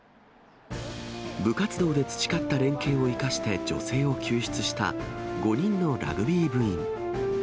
部活動で培った連携を生かして女性を救出した５人のラグビー部員。